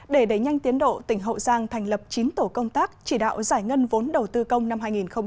để đẩy nhanh tiến độ tỉnh hậu giang thành lập chín tổ công tác chỉ đạo giải ngân vốn đầu tư công năm hai nghìn hai mươi